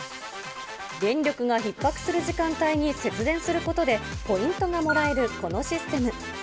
電力がひっ迫する時間帯に節電することでポイントがもらえるこのシステム。